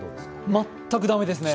全く駄目ですね。